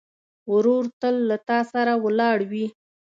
ورور تل له تا سره ولاړ وي.